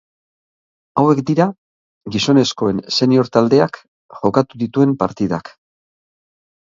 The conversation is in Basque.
Hauek dira Gizonezkoen senior taldeak jokatu dituen partidak.